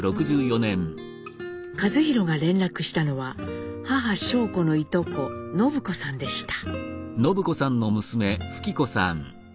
一寛が連絡したのは母尚子のいとこ宣子さんでした。